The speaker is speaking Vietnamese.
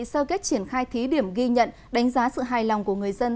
sơ kết triển khai thí điểm ghi nhận đánh giá sự hài lòng của người dân